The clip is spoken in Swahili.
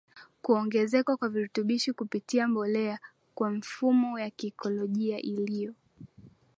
kuongezeka kwa virutubishi kupitia mbolea kwa mifumo ya ikolojia iliyo